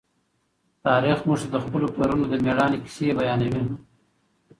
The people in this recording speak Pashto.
تاریخ موږ ته د خپلو پلرونو د مېړانې کیسې بیانوي.